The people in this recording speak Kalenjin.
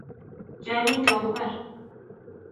kialin kokibar